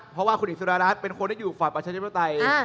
เพราะว่าคุณหญิงสุดารัฐเป็นคนที่อยู่ฝ่ายประชาธิปไตย